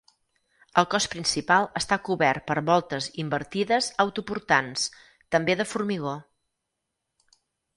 El cos principal està cobert per voltes invertides autoportants, també de formigó.